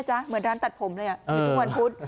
เหมือนร้านตัดผมเลยอ่ะหยุดทุกวันพุธ